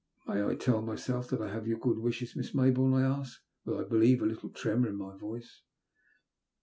May I tell myself that I have your good wishes, Miss Maybourne?'* I asked, with, I believe, a little tremor in my voice.